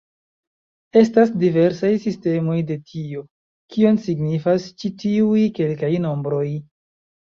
Estas diversaj sistemoj de tio, kion signifas ĉi tiuj kelkaj nombroj.